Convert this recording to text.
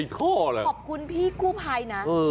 ขอบคุณพี่กู้ภัยนะ